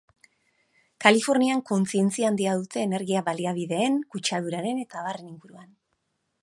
Kalifornian kontzientzia handia dute energia baliabideen, kutsaduraren eta abarren inguruan.